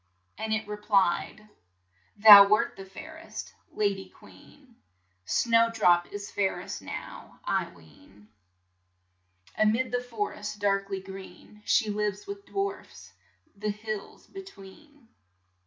" And it re plied: " Thou wert the fair est, la dy queen ; Snow drop is fair est now I ween. 70 LITTLE SNOWDROP A mid the for est dark ly green, She lives with dwarfs — the hills be tween."